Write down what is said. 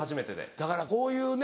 だからこういうね